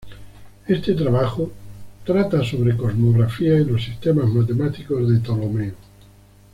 Este trabajo trata sobre cosmografía y los sistemas matemáticos de Tolomeo.